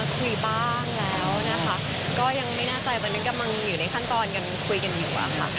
คุยบ้างแล้วนะคะก็ยังไม่แน่ใจตอนนั้นกำลังอยู่ในขั้นตอนกันคุยกันอยู่อะค่ะ